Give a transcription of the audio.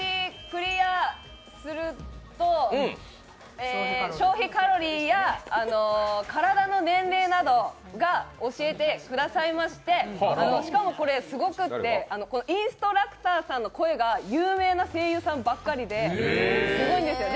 クリアすると消費カロリーや体の年齢などを教えてくださいましてしかもこれすごくって、インストラクターさんの声が有名な声優さんばっかりで、すごいんですよ。